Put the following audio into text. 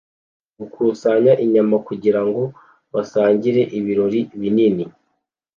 gukusanya inyama kugirango basangire ibirori binini